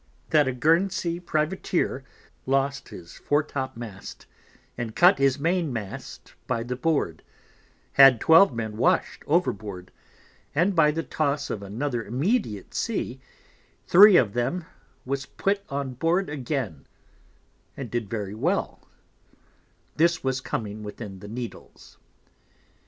That a Guernsey Privateer lost his Fore top mast, and cut his main Mast by the Board, had 12 Men wash'd over board, and by the toss of another immediate Sea three of them was put on board again, and did very well; this was coming within the Needles.